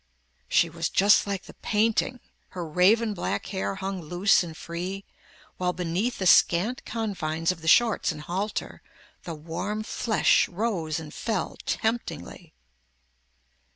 She was just like the painting. Her raven black hair hung loose and free while, beneath the scant confines of the shorts and halter, the warm flesh rose and fell temptingly.